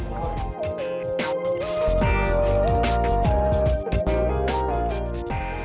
aku belum kenal sama anaknya kang mus